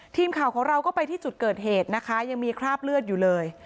ทีมข่าวของเราก็ไปที่จุดเกิดเหตุนะคะยังมีคราบเลือดอยู่เลย